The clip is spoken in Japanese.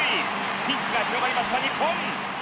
ピンチが広がりました日本。